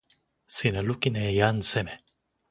sina lukin e jan seme?